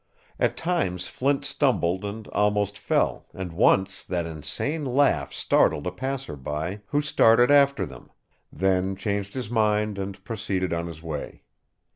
At times Flint stumbled and almost fell, and once that insane laugh startled a passer by, who started after them, then changed his mind and proceeded on his way.